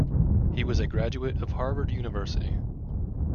He was a graduate of Harvard University.